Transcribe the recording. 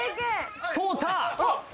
通った！